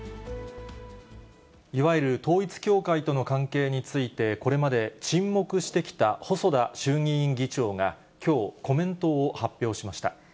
いわゆる統一教会との関係について、これまで沈黙してきた細田衆議院議長がきょう、コメントを発表しました。